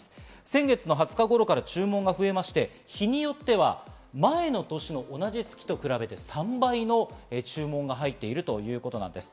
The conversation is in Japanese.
先月２０日頃から注文が増えまして日によっては、前の年の同じ月と比べて３倍の注文が入っているということです。